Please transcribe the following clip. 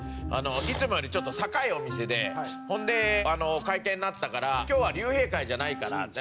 いつもよりちょっと高いお店でほんでお会計になったから今日は竜兵会じゃないから。